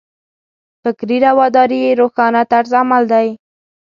فکري رواداري یې روښانه طرز عمل دی.